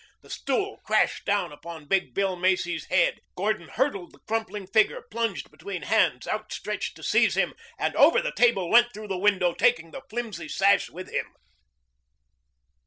The stool crashed down upon Big Bill Macy's head. Gordon hurdled the crumpling figure, plunged between hands outstretched to seize him, and over the table went through the window, taking the flimsy sash with him.